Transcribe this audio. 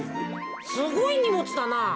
すごいにもつだな。